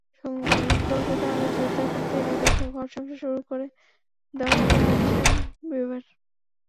সম্পর্কটা আরও জোরদার করতেই নাকি ঘরসংসার শুরু করে দেওয়ার কথা ভাবছেন বিবার।